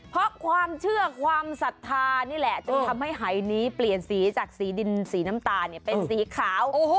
เพราะความเชื่อความศรัทธานี่แหละจึงทำให้หายนี้เปลี่ยนสีจากสีดินสีน้ำตาลเป็นสีขาว